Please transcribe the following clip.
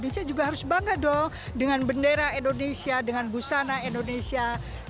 indonesia juga harus bangga dong dengan bendera indonesia dengan busana indonesia